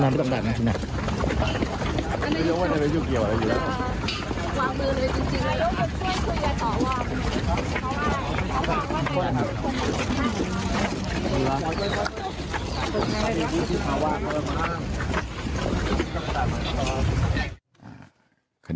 ไม่ที่ถามอยู่ล่ะก็ไปเกี่ยวค่อยกัน